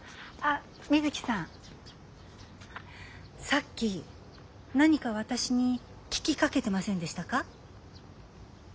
さっき何か私に聞きかけてませんでしたか？